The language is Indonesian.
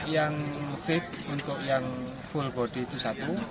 yang fit untuk yang full body itu satu